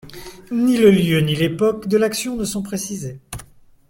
Ni le lieu, ni l'époque de l'action ne sont précisés.